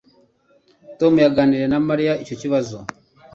Tom yaganiriye na Mariya icyo kibazo